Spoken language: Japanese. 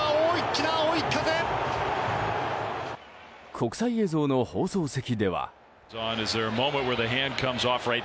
国際映像の放送席では。